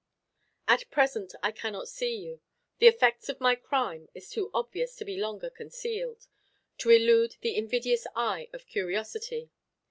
At present I cannot see you. The effect of my crime is too obvious to be longer concealed, to elude the invidious eye of curiosity.